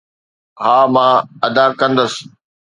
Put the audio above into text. ها، مان ادا ڪندس.